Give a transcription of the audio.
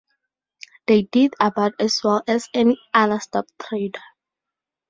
They did about as well as any other stock-trader.